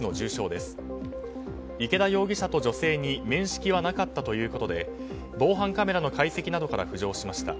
イケダ容疑者と女性に面識はなかったということで防犯カメラの解析などから浮上しました。